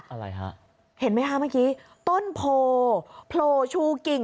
อะไรฮะเห็นไหมคะเมื่อกี้ต้นโพโผล่ชูกิ่ง